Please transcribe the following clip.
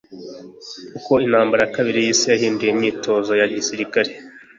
Uko intambara ya kabiri y'isi yahinduye imyitozo ya gisirikare,